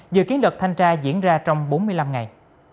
dự kiến đợt thanh tra diễn ra trong bốn mươi năm ngày